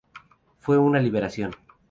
Fue una liberación.